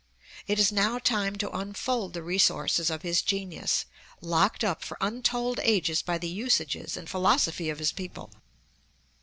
It is now time to unfold the resources of his genius, locked up for untold ages by the usages and philosophy of his people.